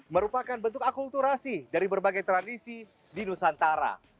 merupakan bentuk akulturasi dari berbagai tradisi di nusantara